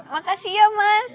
makasih ya mas